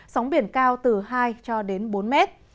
sóng biển cao từ hai cho đến bốn mét